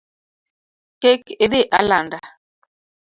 Kik idhi alanda